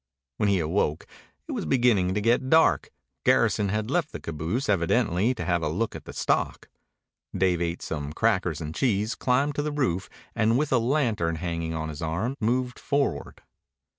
When he awoke it was beginning to get dark. Garrison had left the caboose, evidently to have a look at the stock. Dave ate some crackers and cheese, climbed to the roof, and with a lantern hanging on his arm moved forward.